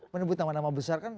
menyebut nama nama besar kan